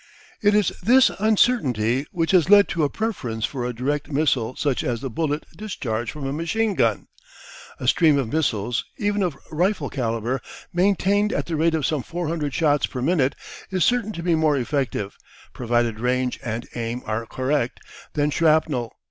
It is this uncertainty which has led to a preference for a direct missile such as the bullet discharged from a machine gun. A stream of missiles, even of rifle calibre, maintained at the rate of some 400 shots per minute is certain to be more effective, provided range and aim are correct, than shrapnel.